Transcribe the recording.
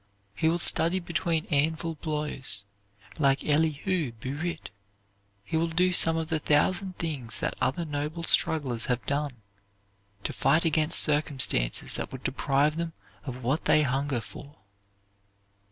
He will study between anvil blows, like Elihu Burritt; he will do some of the thousand things that other noble strugglers have done to fight against circumstances that would deprive them of what they hunger for.